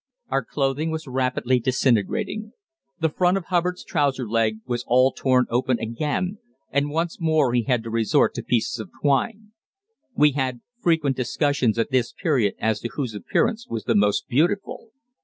Our clothing was rapidly disintegrating. The front of Hubbard's trouser leg was all torn open again, and once more he had to resort to pieces of twine. We had frequent discussions at this period as to whose appearance was the most beautiful.